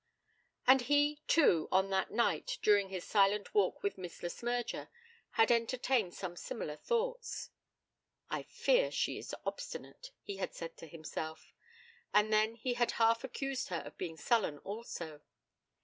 And he, too, on that night, during his silent walk with Miss Le Smyrger, had entertained some similar thoughts. 'I fear she is obstinate', he had said to himself, and then he had half accused her of being sullen also.